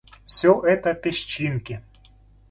Всё это песчинки.